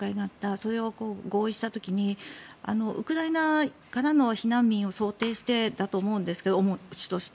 それを合意した時にウクライナからの避難民を想定してだと思うんですが主として。